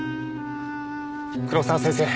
黒沢先生。